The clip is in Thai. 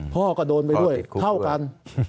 พ่อก็โดนไปด้วยเท่ากัน